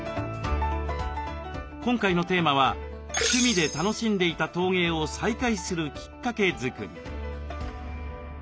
今回のテーマは「趣味で楽しんでいた陶芸を再開するキッカケ作り」。